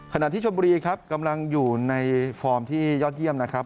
ขณะที่ชมบุรีครับกำลังอยู่ในฟอร์มที่ยอดเยี่ยมนะครับ